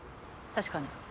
確かに。